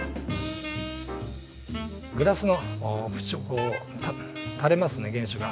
グラスの縁を垂れますね原酒が。